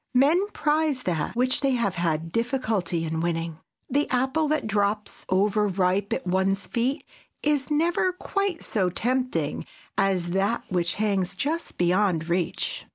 Men prize that which they have had difficulty in winning. The apple that drops, over ripe, at one's feet is never quite so tempting as that which hangs just beyond reach.